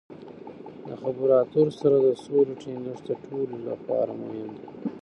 د خبرو اترو سره د سولې ټینګښت د ټولو لپاره مهم دی.